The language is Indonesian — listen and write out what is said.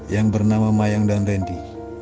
yang bernama mayang dan randy